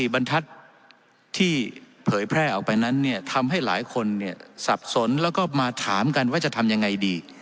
บรรทัศน์ที่เผยแพร่ออกไปนั้นเนี่ยทำให้หลายคนเนี่ยสับสนแล้วก็มาถามกันว่าจะทำยังไงดี